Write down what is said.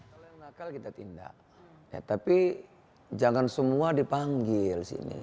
kalau yang nakal kita tindak tapi jangan semua dipanggil sini